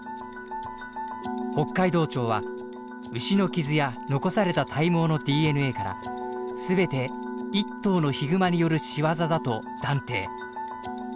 北海道庁は牛の傷や残された体毛のＤＮＡから全て一頭のヒグマによる仕業だと断定。